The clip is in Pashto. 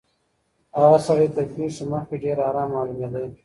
هغه سړی تر پېښي مخکي ډېر آرامه معلومېدی.